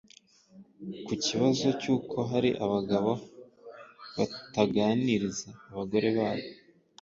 Ku kibazo cy’uko hari abagabo bataganiriza abagore babo